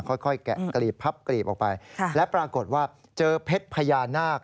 ค่อยแกะกลีบพับกลีบออกไปและปรากฏว่าเจอเพชรพญานาค